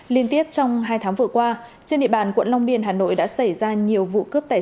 liên tiếp trong hai tháng vừa qua trên địa bàn quận long biên hà nội đã xảy ra nhiều vụ cướp tài sản